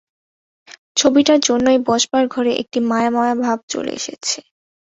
ছবিটির জন্যেই বসবার ঘরে একটি মায়া-মায়া ভাব চলে এসেছে।